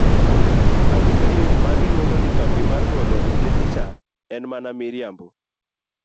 Awinjo ni magi luong'o ni kambi mar golo otese cha en mana miriambo!